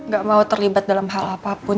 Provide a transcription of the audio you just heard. gak mau terlibat dalam hal apapun